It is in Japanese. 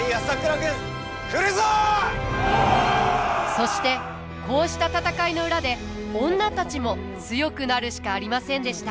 そしてこうした戦いの裏で女たちも強くなるしかありませんでした。